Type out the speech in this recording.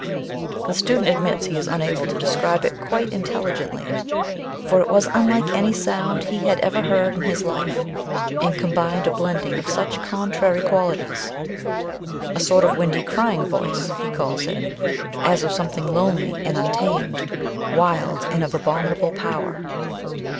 _" The student admits he is unable to describe it quite intelligently, for it was unlike any sound he had ever heard in his life, and combined a blending of such contrary qualities. "A sort of windy, crying voice," he calls it, "as of something lonely and untamed, wild and of abominable power...."